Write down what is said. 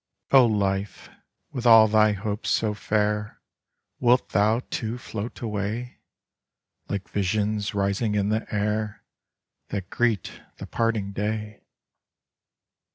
Oh life, with all thy hopes so fair, wilt thou too float away, like visions rising in the air that j^reet the parting day!